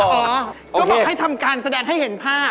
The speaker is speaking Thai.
เหรอก็บอกให้ทำการแสดงให้เห็นภาพ